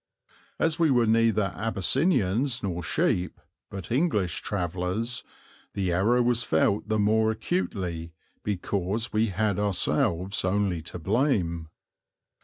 As we were neither Abyssinians nor sheep, but English travellers, the error was felt the more acutely because we had ourselves only to blame.